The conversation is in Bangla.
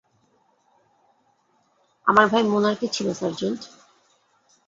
আমার ভাই মোনার্কে ছিল, সার্জেন্ট।